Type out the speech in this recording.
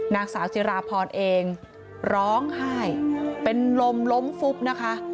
นางสาวจิราพรเองร้องไห้เป็นลมล้มฟุบนะคะ